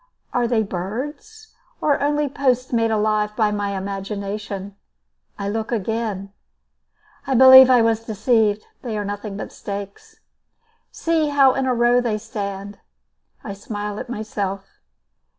Are they birds, or only posts made alive by my imagination? I look again. I believe I was deceived. They are nothing but stakes. See how in a row they stand. I smile at myself.